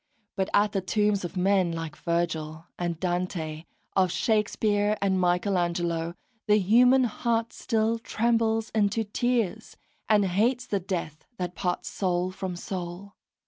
But at the tombs of men like Vergil and Dante, of Shakespeare and Michelangelo, the human heart still trembles into tears, and hates the death that parts soul from soul.